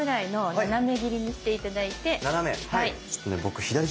斜め？